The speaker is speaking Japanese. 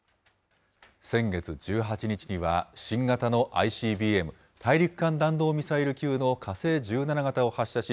先月１８日には、新型のＩＣＢＭ・大陸間弾道ミサイル級の火星１７型を発射し、